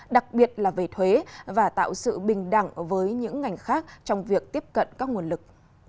đặc biệt là về thuế và tạo sự bình đẳng với những ngành khác trong việc tiếp cận các nguồn lực